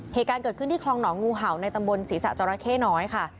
เหตุการณ์เกิดขึ้นที่คลองหนองงูเห่าในตำบลศรีษะจราเข้น้อยค่ะ